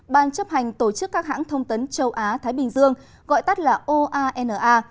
ban chấp hành tổ chức các hãng thông tấn châu á thái bình dương gọi tắt là oana